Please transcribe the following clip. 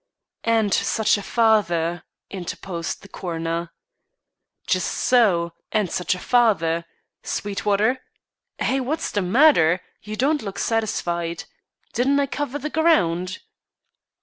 "And such a father," interposed the coroner. "Just so and such a father. Sweetwater? Hey! what's the matter? You don't look satisfied. Didn't I cover the ground?"